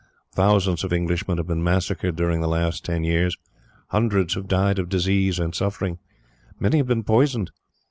Thousands of Englishmen have been massacred during the last ten years. Hundreds have died of disease and suffering. Many have been poisoned.